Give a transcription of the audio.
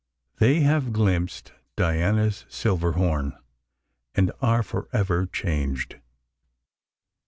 They have glimpsed "Diana's silver horn," and are forever changed.